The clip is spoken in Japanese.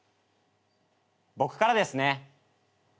僕からですね。